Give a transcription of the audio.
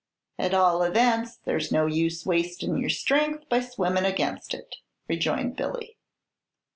"At all events, there's no use wastin' your strength by swimmin' against it," rejoined Billy.